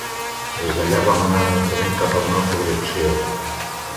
Des d'allà vam anar lentament cap a una altra direcció.